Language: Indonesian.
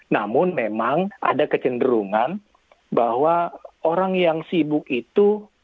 namun memang ada kecenderungan bahwa orang yang sibuk itu